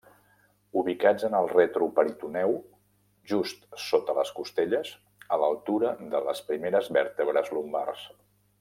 Ubicats en el retroperitoneu, just sota les costelles, a l'altura de les primeres vèrtebres lumbars.